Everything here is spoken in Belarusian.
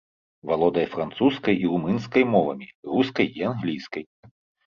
Валодае французскай і румынскай мовамі, рускай і англійскай.